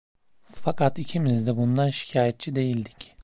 Fakat ikimiz de bundan şikâyetçi değildik.